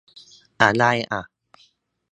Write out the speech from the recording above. อะไรอ่ะ